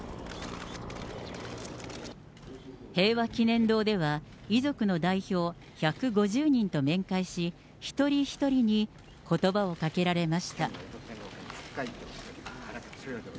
平和祈念堂では、遺族の代表、１５０人と面会し、一人一人にことばをかけられました。